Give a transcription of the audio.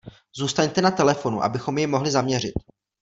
Zůstaňte na telefonu, abychom jej mohli zaměřit.